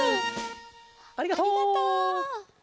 ありがとう。